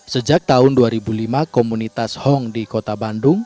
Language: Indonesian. sejak tahun dua ribu lima komunitas hong di kota bandung